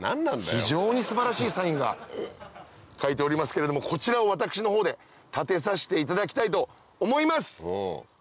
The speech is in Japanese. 非常に素晴らしいサインが書いてありますけどもこちらを私のほうで立てさせていただきたいと思います！